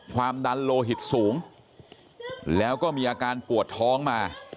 ความดันโลหิตสูงแล้วก็มีอาการปวดท้องมา